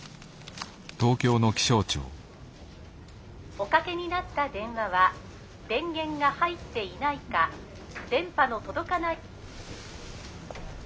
「おかけになった電話は電源が入っていないか電波の届かない」。